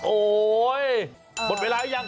โอ้ย